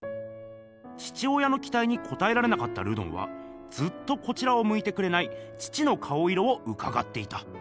父親のきたいにこたえられなかったルドンはずっとこちらをむいてくれない父の顔色をうかがっていた。